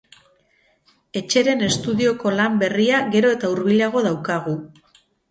Etxeren estudioko lan berria gero eta hurbilago daukagu.